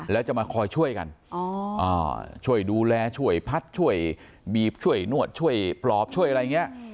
แล้วจะมาคอยช่วยกันช่วยดูแลช่วยพัดช่วยบีบช่วยนวดช่วยปลอบช่วยอะไรอย่างนี้